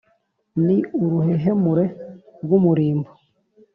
ni uruhehemure rw' umurimbo.